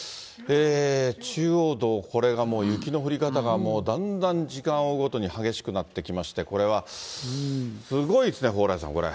中央道、これがもう、雪の降り方がもうだんだん時間を追うごとに激しくなってきまして、これはすごいですね、蓬莱さん、これ。